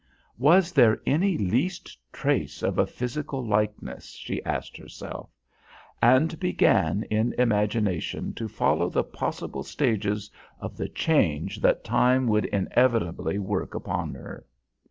Was there any least trace of a physical likeness, she asked herself; and began in imagination to follow the possible stages of the change that time would inevitably work upon her.